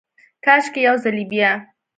کاشکي ، یو ځلې بیا،